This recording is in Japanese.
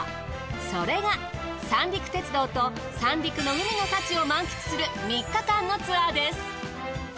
それが三陸鉄道と三陸の海の幸を満喫する３日間のツアーです。